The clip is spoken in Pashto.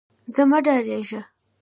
ځه مه ډارېږه.